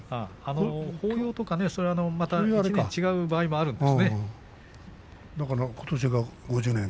法要とかそういうのは違う場合もあるんですね。